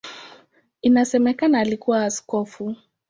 Inasemekana alikuwa askofu.